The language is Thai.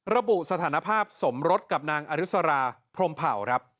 ระบุสถานภาพสมรสกับนางอริสราพรมเผ่าครับ